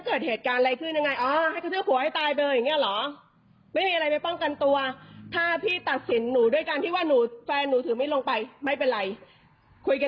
สุดท้ายผู้เสียหายได้ตัดสินใจแจ้งความค่ะ